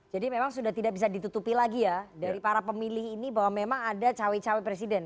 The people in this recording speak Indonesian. jadi memang sudah tidak bisa ditutupi lagi ya dari para pemilih ini bahwa memang ada cowek cowek presiden